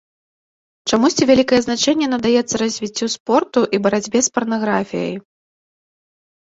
Чамусьці вялікае значэнне надаецца развіццю спорту і барацьбе з парнаграфіяй.